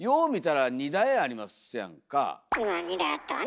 今２台あったわね。